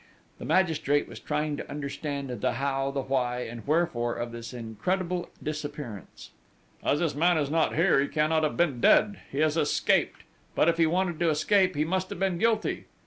The magistrate was trying to understand the how, why, and wherefore of this incredible disappearance: "As this man is not here, he cannot have been dead ... he has escaped ... but if he wanted to escape he must have been guilty!...